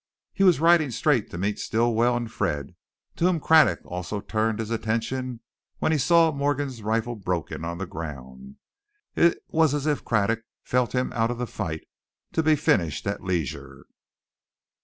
He was riding straight to meet Stilwell and Fred, to whom Craddock also turned his attention when he saw Morgan's rifle broken on the ground. It was as if Craddock felt him out of the fight, to be finished at leisure.